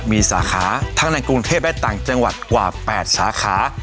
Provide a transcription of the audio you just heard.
มีสาขาทั้งในกรุงเทพและต่างจังหวัดกว่า๘สาขา